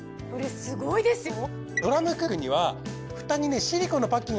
すごいですね。